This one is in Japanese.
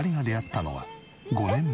５年前？